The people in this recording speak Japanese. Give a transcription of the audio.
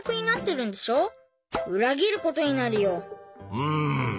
うん。